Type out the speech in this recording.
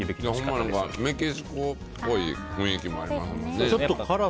ほんまメキシコっぽい雰囲気もありますね。